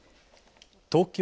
東京